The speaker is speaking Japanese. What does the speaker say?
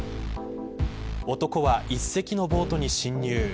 男は１隻のボートに侵入。